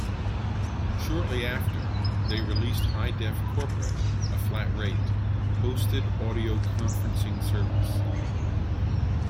Shortly after, they released HiDef Corporate, a flat-rate, hosted audio conferencing service.